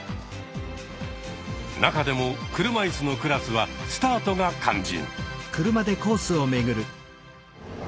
中でも車いすのクラスはスタートが肝心。